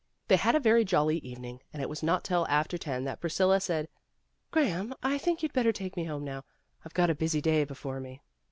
They had a very jolly eve ning, and it was not till after ten that Priscilla said, "Graham, I think you'd better take me home, now. I've got a busy day before me."